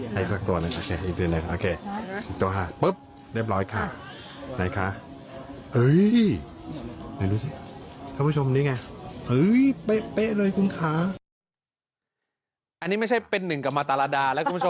ให้สักตัวหนึ่งโอเคอีกตัวหนึ่งโอเค